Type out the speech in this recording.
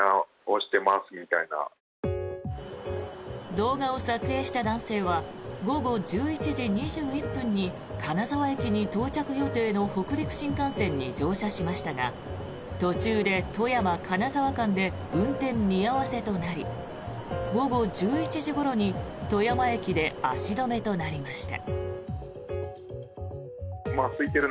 動画を撮影した男性は午後１１時２１分に金沢駅に到着予定の北陸新幹線に乗車しましたが途中で富山金沢間で運転見合わせとなり午後１１時ごろに富山駅で足止めとなりました。